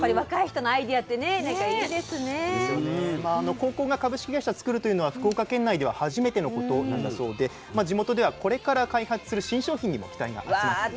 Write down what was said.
高校が株式会社を作るというのは福岡県内では初めてのことなんだそうで地元ではこれから開発する新商品にも期待が集まっているんです。